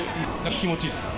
気持ち良いです。